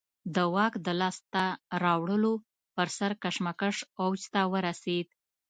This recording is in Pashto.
د واک د لاسته راوړلو پر سر کشمکش اوج ته ورسېد.